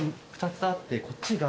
２つあってこっちが。